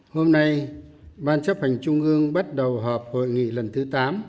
hôm nay ban chấp hành trung ương bắt đầu họp hội nghị lần thứ tám